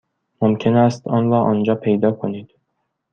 ممکن است آن را آنجا پیدا کنید.